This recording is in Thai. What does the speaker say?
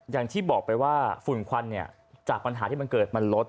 อย่างที่บอกไปว่าฝุ่นควันเนี่ยจากปัญหาที่มันเกิดมันลด